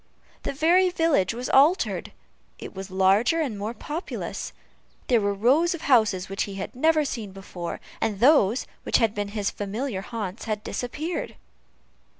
The very village was altered: it was larger and more populous. There were rows of houses which he had never seen before, and those which had been his familiar haunts had disappeared.